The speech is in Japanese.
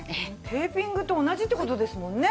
テーピングと同じって事ですもんね。